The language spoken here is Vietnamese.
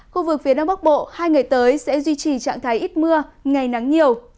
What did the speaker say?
khu vực phía đông bắc bộ hai ngày tới sẽ duy trì trạng thái ít mưa ngày nắng nhiều